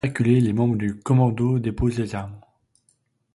Acculés, les membres du Commando déposent les armes.